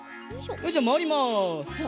よしじゃあまわります！